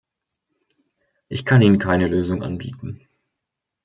Ich kann Ihnen keine Lösung anbieten.